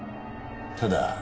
ただ。